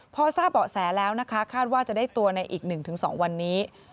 พอทราบเบาะแสแล้วนะคะคาดว่าจะได้ตัวในอีก๑๒วันนี้